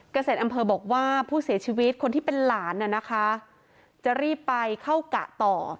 เกษตรอำเภอบอกว่าผู้เสียชีวิตคนที่เป็นหลานน่ะนะคะจะรีบไปเข้ากะต่อ